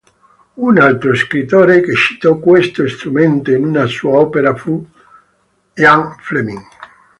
Un altro scrittore che citò questo strumento in una sua opera, fu Ian Fleming.